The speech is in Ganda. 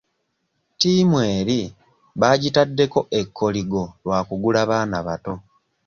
Tiimu eri baagitaddeko ekkoligo lwa kugula baana bato.